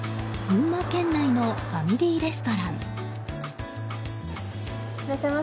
群馬県内のファミリーレストラン。